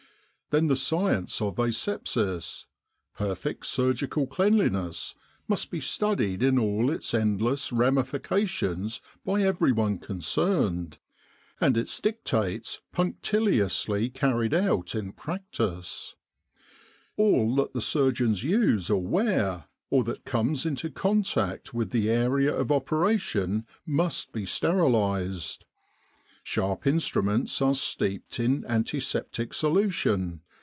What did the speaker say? Then the science of asepsis perfect surgical cleanli ness must be studied in all its endless ramifications by everyone concerned, and its dictates punctiliously carried out in practice. All that the surgeons use or Military General Hospitals in Egypt wear, or that comes into contact with the area of operation, must be sterilised. Sharp instruments are steeped in antiseptic solution.